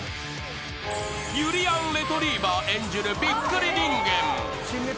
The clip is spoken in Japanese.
［ゆりやんレトリィバァ演じるびっくり人間］